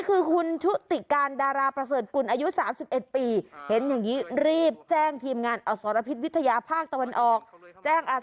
เอามาทางหน้าต่างอุ้ย